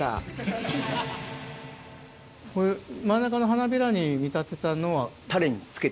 これ真ん中の花びらに見立てたのは？